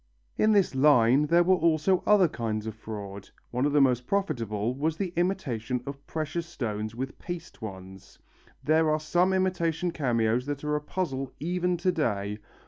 In this line there were also other kinds of fraud. One of the most profitable was the imitation of precious stones with paste ones. There are some imitation cameos that are a puzzle even to day.